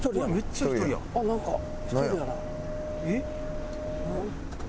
えっ？